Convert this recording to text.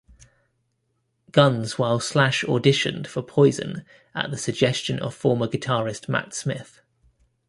Guns while Slash auditioned for Poison at the suggestion of former guitarist Matt Smith.